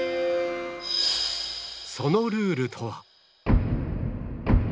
そのルールとは。